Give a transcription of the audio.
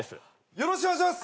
よろしくお願いします。